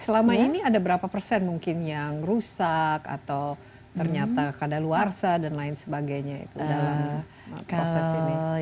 selama ini ada berapa persen mungkin yang rusak atau ternyata keadaan luar sah dan lain sebagainya itu dalam proses ini